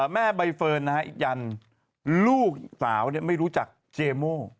แม่ใบเฟิร์นอีกยันลูกสาวไม่รู้จักเจโม่